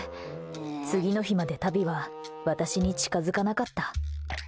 次の日までタビは私に近づかなかった。